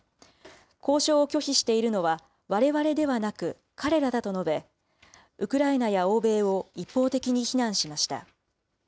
交渉を拒否しているのはわれわれではなく彼らだと述べ、ウクライナや欧米を一方的に非難しました。